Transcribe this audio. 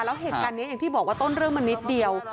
แล้วเหตุการณ์นี้อย่างที่บอกว่าต้นเรื่องมันนิดเดียว